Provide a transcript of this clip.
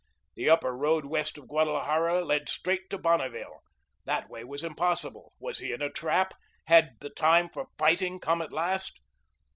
The Upper Road west of Guadalajara led straight to Bonneville. That way was impossible. Was he in a trap? Had the time for fighting come at last?